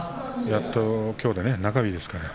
やっときょうで中日ですからね。